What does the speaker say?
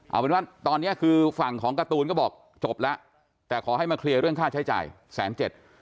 เอาเป็นว่าตอนนี้คือฝั่งของการ์ตูนก็บอกจบแล้วแต่ขอให้มาเคลียร์เรื่องค่าใช้จ่ายแสนเจ็ด